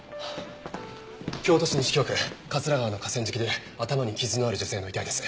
京都市西京区桂川の河川敷で頭に傷のある女性の遺体です。